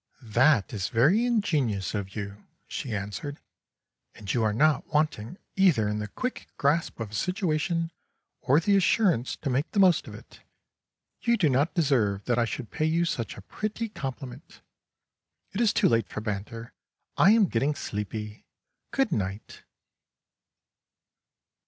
"That is very ingenious of you," she answered; "and you are not wanting either in the quick grasp of a situation, or the assurance to make the most of it. You do not deserve that I should pay you such a pretty compliment! It is too late for banter; I am getting sleepy. Good night."